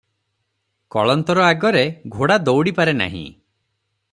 କଳନ୍ତର ଆଗରେ ଘୋଡ଼ା ଦଉଡ଼ି ପାରେ ନାହିଁ ।